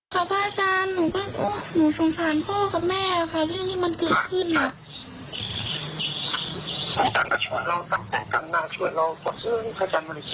เกิดความแบบนี้เยอะมาก